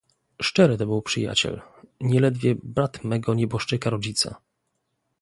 "Szczery to był przyjaciel, nieledwie brat mego nieboszczyka rodzica."